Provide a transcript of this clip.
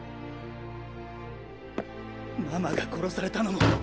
ママが殺されたのも！